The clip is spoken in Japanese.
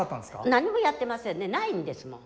何もやってませんねないんですもん。